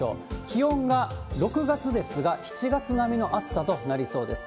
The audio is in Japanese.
気温が６月ですが、７月並みの暑さとなりそうです。